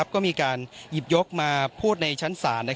ก็มีการหยิบยกมาพูดในชั้นศาล